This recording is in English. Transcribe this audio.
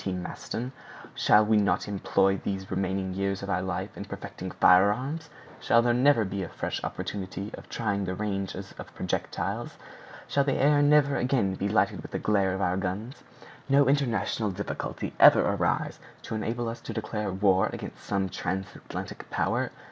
T. Maston, "shall we not employ these remaining years of our life in perfecting firearms? Shall there never be a fresh opportunity of trying the ranges of projectiles? Shall the air never again be lighted with the glare of our guns? No international difficulty ever arise to enable us to declare war against some transatlantic power?